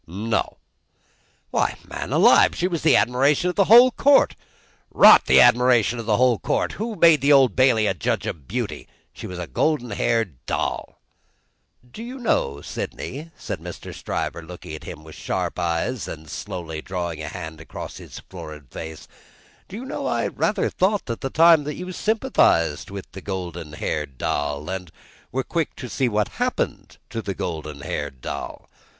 "No." "Why, man alive, she was the admiration of the whole Court!" "Rot the admiration of the whole Court! Who made the Old Bailey a judge of beauty? She was a golden haired doll!" "Do you know, Sydney," said Mr. Stryver, looking at him with sharp eyes, and slowly drawing a hand across his florid face: "do you know, I rather thought, at the time, that you sympathised with the golden haired doll, and were quick to see what happened to the golden haired doll?"